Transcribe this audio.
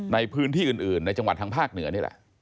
ในพื้นที่อื่นในจังหวัดทางภาคเหนือนี่แหละ